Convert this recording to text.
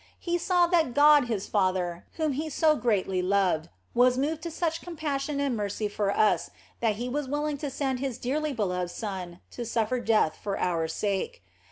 He saw that God His Father, whom He so greatly loved, was moved to such compassion and mercy for us that He was willing to send His dearly 76 THE BLESSED ANGELA beloved Son to suffer death for our sake.